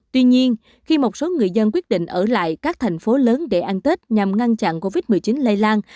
tuy nhiên khi một số người dân quyết định ở lại các thành phố lớn để ăn tết nhằm ngăn chặn covid một mươi chín lây lan